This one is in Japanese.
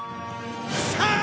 さあ！